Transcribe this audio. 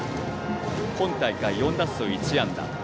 今大会４打数１安打。